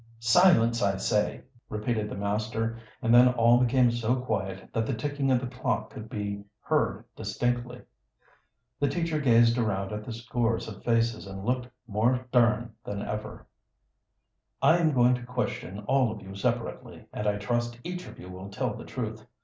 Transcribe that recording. "Silence, I say!" repeated the master, and then all became so quiet that the ticking of the clock could be heard distinctly. The teacher gazed around at the scores of faces and looked more stem than ever. "I am going to question all of you separately, and I trust each of you will tell the truth.